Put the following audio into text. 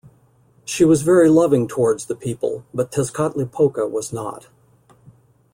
She was very loving towards the people, but Tezcatlipoca was not.